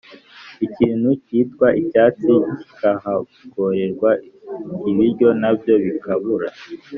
Ikintu cyitwa icyatsi kikahagorerwa Ibiryo na byo bikabura